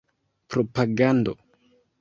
propagando